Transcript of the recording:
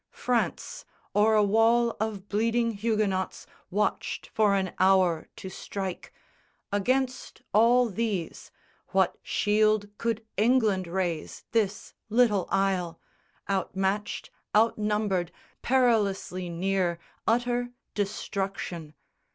France o'er a wall of bleeding Huguenots Watched for an hour to strike. Against all these What shield could England raise, this little isle, Out matched, outnumbered, perilously near Utter destruction?